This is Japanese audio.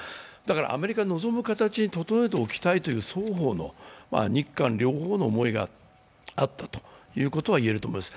アメリカ望む形で、整えておきたいという、双方の、日韓両方の思いがあったということはいえると思います。